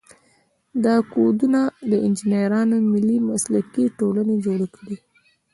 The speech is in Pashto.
دا کودونه د انجینرانو ملي مسلکي ټولنې جوړ کړي.